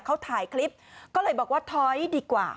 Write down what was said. เขาถ่ายคลิปก็เลยบอกว่าถอยดีกว่า